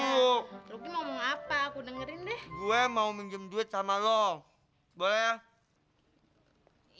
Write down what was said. yuk ruki ngomong apa aku dengerin deh gue mau minjem duit sama lo boleh